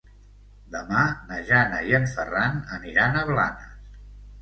Demà na Jana i en Ferran aniran a Blanes.